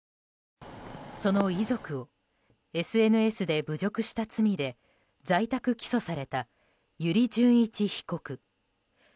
その遺族をＳＮＳで侮辱した罪で在宅起訴された油利潤一被告。